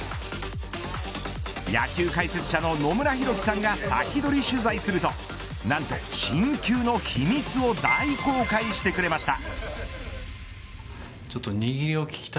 野球解説者の野村弘樹さんが先取り取材するとなんと、新球の秘密を大公開してくれました。